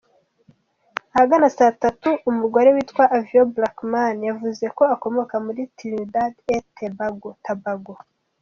Ahagana saa tatu, umugore witwa Avion Blackman yavuze ko akomoka muri Trinidad et Tabago .